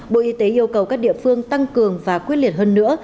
bộ y tế yêu cầu các địa phương tăng cường và quyết liệt hơn nữa